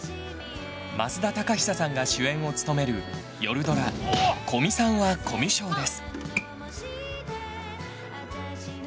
増田貴久さんが主演を務めるよるドラ「古見さんは、コミュ症です。」。